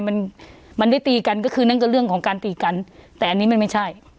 มันมันได้ตีกันก็คือนั่นก็เรื่องของการตีกันแต่อันนี้มันไม่ใช่